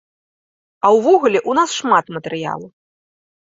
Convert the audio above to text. А ўвогуле ў нас шмат матэрыялу.